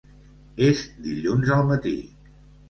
És dilluns al matí.